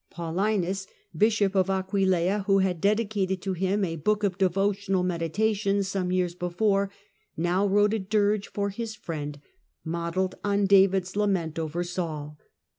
Paulinus, Bishop of Aquileia, who had dedicated to him a book of devotional meditations some years before, now wrote a dirge for his friend modelled on David's lament over Saul.